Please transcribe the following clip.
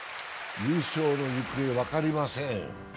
優勝の行方、分かりません。